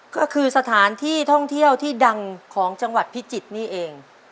ก็คือสถานที่ท่องเที่ยวที่ดังของจังหวัดพิจิตรนี่เอง